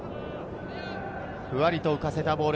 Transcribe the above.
ふわりと浮かせたボール。